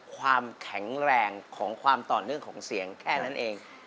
ความแข็งแรงของความต่อเนื่องของเสียงแค่นั้นเอง